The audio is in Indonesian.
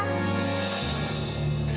pergi ke bukit negeri